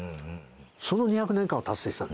その２００年間を達成したんですよ。